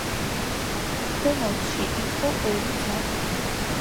ხომალდში იყო ორი ძაღლი.